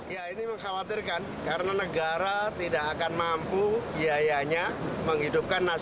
ya ini mengkhawatirkan karena negara tidak akan mampu biayanya menghidupkan